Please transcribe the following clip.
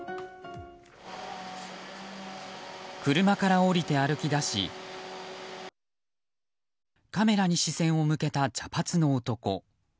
車から降りて歩きだしカメラに視線を向けた茶髪の男。